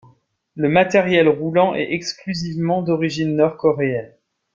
Le matériel roulant est exclusivement d'origine nord-coréenne.